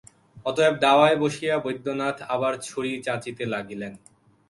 অতএব দাওয়ায় বসিয়া বৈদ্যনাথ আবার ছড়ি চাঁচিতে লাগিলেন।